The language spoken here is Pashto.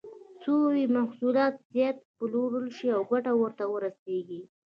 څو یې محصولات زیات وپلورل شي او ګټه ورته ورسېږي.